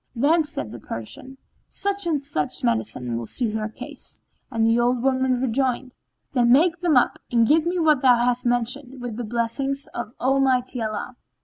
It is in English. Then said the Persian, "Such and such medicines will suit her case;" and the old woman rejoined, "Then make them up and give me what thou hast mentioned, with the blessing of Almighty Allah."